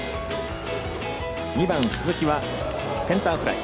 ２番鈴木はセンターフライ。